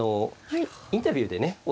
インタビューでね